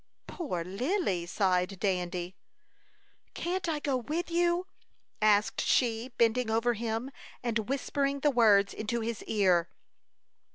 "Poor Lily!" sighed Dandy. "Can't I go with you," asked she, bending over him, and whispering the words into his ear.